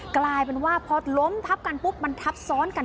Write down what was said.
กลายเป็นว่าพอล้มทับกันปุ๊บมันทับซ้อนกัน